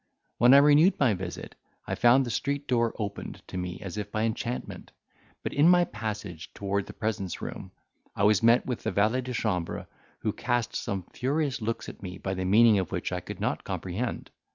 When I renewed my visit, I found the street door opened to me as if by enchantment; but in my passage towards the presence room, I was met by the valet de chambre, who cast some furious looks at me the meaning of which I could not comprehend.